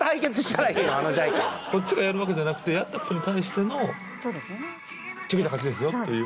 こっちがやるわけじゃなくてやった子に対しての「チョキの勝ちですよ」という？